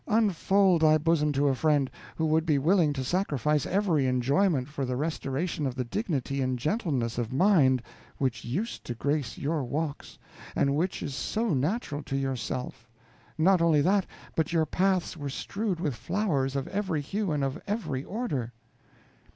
Unfold thy bosom to a friend, who would be willing to sacrifice every enjoyment for the restoration of the dignity and gentleness of mind which used to grace your walks, and which is so natural to yourself; not only that, but your paths were strewed with flowers of every hue and of every order.